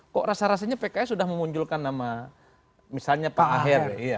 kok rasa rasanya pks sudah memunculkan nama misalnya pak aher